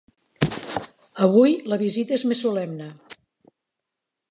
Avui la visita és més solemne.